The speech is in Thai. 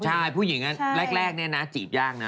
ใช่ผู้หญิงแรกเนี่ยนะจีบยากนะ